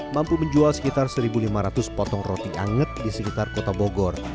mampu menjual sekitar satu lima ratus potong roti anget di sekitar kota bogor